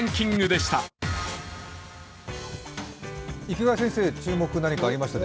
池谷先生、注目、何かありましたか？